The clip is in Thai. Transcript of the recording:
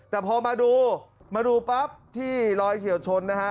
แต่พอมาดูมาดูปั๊บที่รอยเฉียวชนนะฮะ